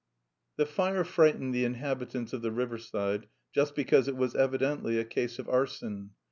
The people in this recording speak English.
IV The fire frightened the inhabitants of the riverside just because it was evidently a case of arson.